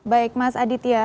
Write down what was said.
baik mas aditya